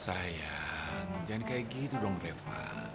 sayang jangan kayak gitu dong reva